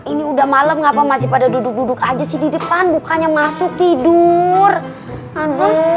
ini udah malam apa masih pada duduk duduk aja sih di depan bukannya masuk tidur aduh